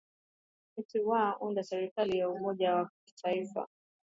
ati wa uundwaji wa serikali ya umoja wa kitaifa